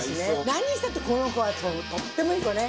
何にしたってこの子はとってもいい子ね！